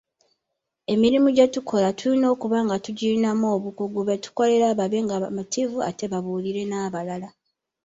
Emirimu gye tukola tulina okuba nga tugirinamu obukugu betukolera babe bamativu ate babuulire n'abalala.